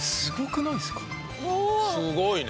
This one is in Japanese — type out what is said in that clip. すごいね。